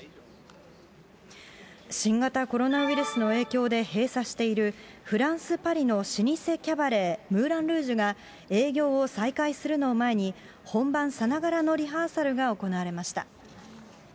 新型コロナウイルスの影響で閉鎖しているフランス・パリの老舗キャバレー、ムーランルージュが営業を再開するのを前に、本番さながらのリハーサルが行われました。